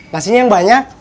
nasinya yang banyak